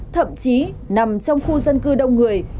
thậm chí nằm trong khu dân cư đông người